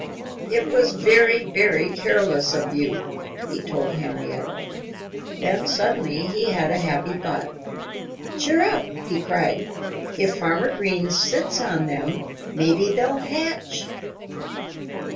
"It was very, very careless of you," he told Henrietta. Then suddenly he had a happy thought. "Cheer up!" he cried. "If Farmer Green sits on them, maybe they'll hatch."